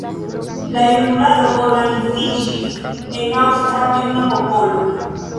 La junularo organiziĝis en Aŭstra Juna Popolo.